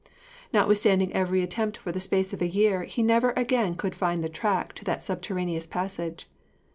Notwithstanding every attempt for the space of a year, he never again could find the track to the subterraneous passage.'